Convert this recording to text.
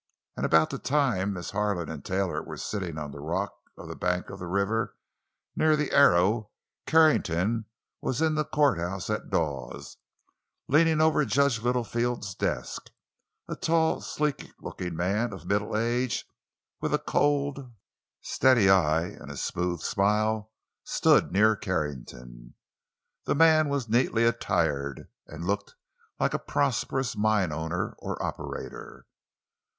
At about the time Miss Harlan and Taylor were sitting on the rock on the bank of the river near the Arrow, Carrington was in the courthouse at Dawes, leaning over Judge Littlefield's desk. A tall, sleek looking man of middle age, with a cold, steady eye and a smooth smile, stood near Carrington. The man was neatly attired, and looked like a prosperous mine owner or operator.